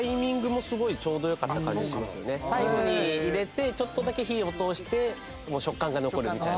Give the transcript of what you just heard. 最後に入れてちょっとだけ火を通して食感が残るみたいな。